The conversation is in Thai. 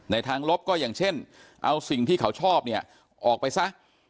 ทางลบก็อย่างเช่นเอาสิ่งที่เขาชอบเนี่ยออกไปซะ